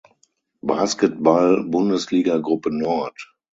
Basketball-Bundesliga Gruppe Nord.